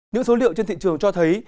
những số liệu trên thị trường cho thấy